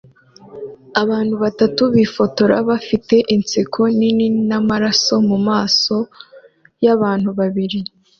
abantu batatu bifotoza bafite inseko nini n'amaraso mumaso yabantu babiri